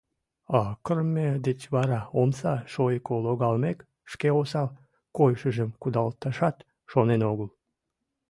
А кырыме деч вара, омса шойыко логалмек, шке осал койышыжым кудалташат шонен огыл.